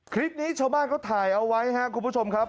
คลิปนี้ชาวบ้านเขาถ่ายเอาไว้ครับคุณผู้ชมครับ